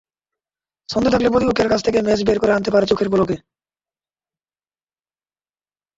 ছন্দে থাকলে প্রতিপক্ষের কাছ থেকে ম্যাচ বের করে আনতে পারে চোখের পলকে।